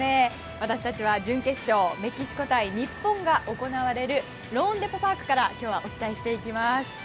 私たちは、準決勝メキシコ対日本が行われるローンデポ・パークから今日はお伝えしていきます。